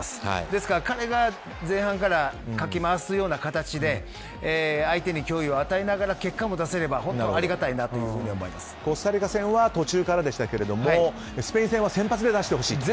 ですから、彼が前半からかき回すような形で相手に脅威を与えながら結果も出せればコスタリカ戦は途中からでしたけどスペイン戦は先発で出してほしいと。